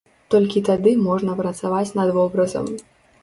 Толькі тады можна працаваць над вобразам.